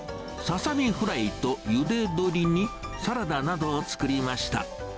ささみフライとゆで鶏にサラダなどを作りました。